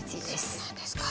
そうなんですか。